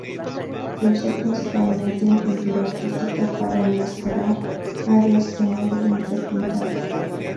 Se usa principalmente en pintura artística para enmascarar áreas que no deben ser pintadas.